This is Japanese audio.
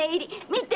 見て！